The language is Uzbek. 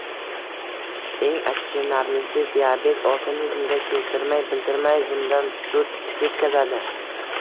Eng achinarlisi, diabet organizmga sezdirmay-bildirmay, zimdan putur yetkazadi